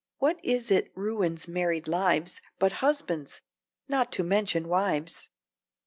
(What is it ruins married lives But husbands ... not to mention wives?)